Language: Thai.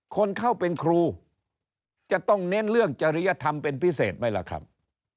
คนเข้าเป็นครูจะต้องเน้นเรื่องจริยธรรมเป็นพิเศษไหมล่ะครับ